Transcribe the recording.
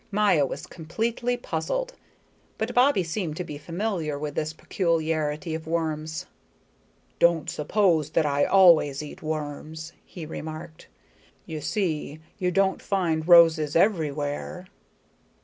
Maya was completely puzzled. But Bobbie seemed to be familiar with this peculiarity of worms. "Don't suppose that I always eat worms," he remarked. "You see, you don't find roses everywhere."